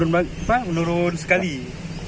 ini memang tidak ada yang beli ya